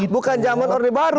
bukan zaman orde baru